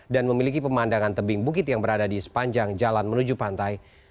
dan memiliki pemandangan tebing bukit yang berada di sepanjang jalan menuju pantai